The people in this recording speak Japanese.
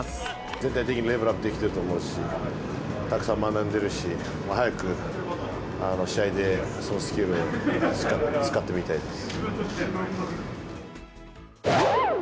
全体的にレベルアップできてると思うし、たくさん学んでいるし、早く試合でそのスキルを使ってみたいです。